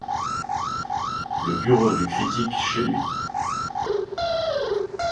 Le bureau du critique, chez lui.